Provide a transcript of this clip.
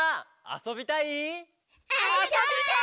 「あそびたい！」